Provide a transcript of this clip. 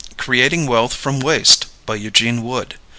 Creating Wealth From Waste. BY EUGENE WOOD.